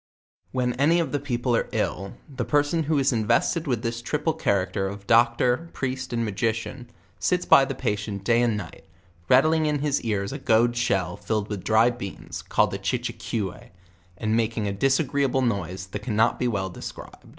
When any of the people are ill, the person who is inves ted with this triple character of doctor, priest and magician, Bits by the palient day and night, rattling in his ears a goad shell filled with dry beans, called a Chichicoue, and making a disagreeable noise that cannot b3 well described.